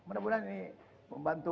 mudah mudahan ini membantu